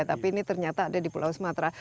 tapi ini ternyata ada di pulau sumatera